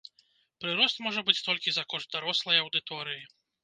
Прырост можа быць толькі за кошт дарослай аўдыторыі.